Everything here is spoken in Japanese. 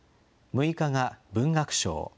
６日が文学賞。